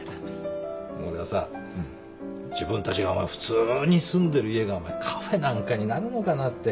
俺はさ自分たちが普通に住んでる家がカフェなんかになるのかなって。